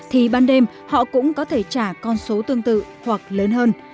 thì ban đêm họ cũng có thể trả con số tương tự hoặc lớn hơn